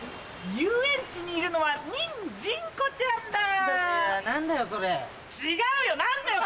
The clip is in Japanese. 遊園地にいるのはニンジン子ちゃんだぁ。